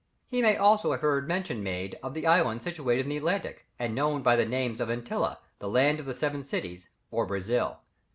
He may also have heard mention made of the islands situated in the Atlantic, and known by the names of Antilia, the Land of the Seven Cities, or Brazil.